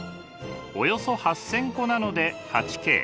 およそ８，０００個なので８Ｋ。